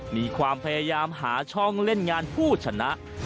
มีความพยายามหาช่องเล่นงานผู้ชนะ